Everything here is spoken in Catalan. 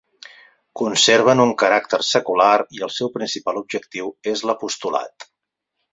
Conserven un caràcter secular i el seu principal objectiu és l'apostolat.